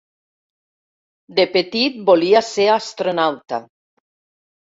De petit volia ser astronauta.